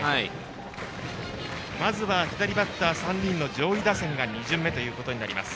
まずは左バッター３人の上位打線が２巡目となります。